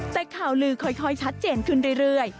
แต่ข่าวลือค่อยชัดเจนขึ้นเรื่อย